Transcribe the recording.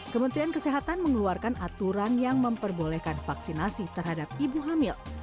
kementerian kesehatan mengeluarkan aturan yang memperbolehkan vaksinasi terhadap ibu hamil